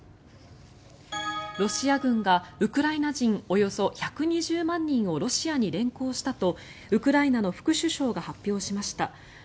ロシア軍がウクライナ人およそ１２０万人をロシアに連行したとウクライナの副首相が発表しました。